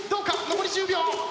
残り１０秒。